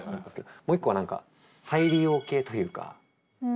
もう一個は何か再利用系というか。